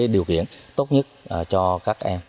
điều kiện tốt nhất cho các em